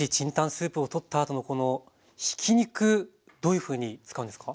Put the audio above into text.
スープをとったあとのこのひき肉どういうふうに使うんですか？